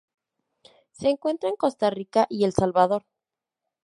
Se encuentra en Costa Rica y El Salvador.